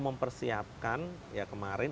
mempersiapkan ya kemarin